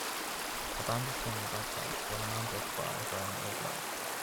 A band is playing the bagpipes while a man jogs by wearing all black